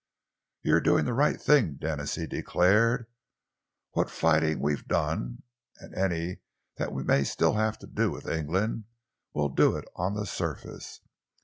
"You're doing the right thing, Denis," he declared. "What fighting we've done, and any that we may still have to do with England, we'll do it on the surface.